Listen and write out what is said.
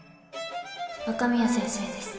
若宮先生です